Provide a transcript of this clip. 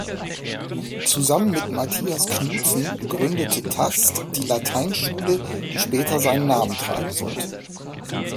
Zusammen mit Matthias Knutzen gründete Tast die Lateinschule, die später seinen Namen tragen sollte.